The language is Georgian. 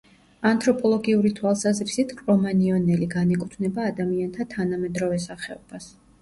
ანთროპოლოგიური თვალსაზრისით კრომანიონელი განეკუთვნება ადამიანთა თანამედროვე სახეობას.